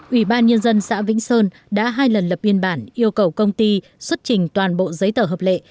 ủy ban nhân dân xã vĩnh sơn đã hai lần lập biên bản yêu cầu công ty xuất trình toàn bộ giấy tờ hợp lệ